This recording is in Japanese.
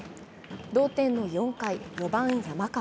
同点の４回、４番・山川。